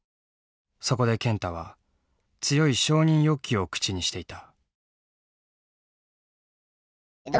そこで健太は強い承認欲求を口にしていた。